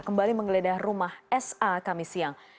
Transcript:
kembali menggeledah rumah sa kami siang